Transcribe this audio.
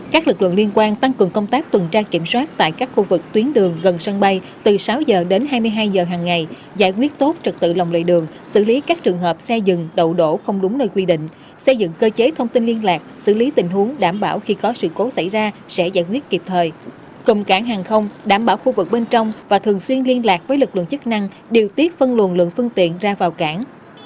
các lực lượng liên quan tăng cường công tác tuần tra kiểm soát tại các khu vực tuyến đường gần sân bay từ sáu giờ đến hai mươi hai giờ hằng ngày giải quyết tốt trật tự lòng lệ đường xử lý các trường hợp xe dừng đậu đổ không đúng nơi quy định xây dựng cơ chế thông tin liên lạc xử lý tình huống đảm bảo khi có sự cố xảy ra sẽ giải quyết kịp thời cầm cảng hàng không đảm bảo khu vực bên trong và thường xuyên liên lạc với lực lượng chức năng điều tiết phân luồn lượng phương tiện ra vào cảng